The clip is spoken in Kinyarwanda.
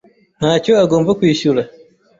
ntacyo agomba kwishyura.